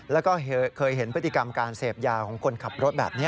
แล้วก็เคยเห็นพฤติกรรมการเสพยาของคนขับรถแบบนี้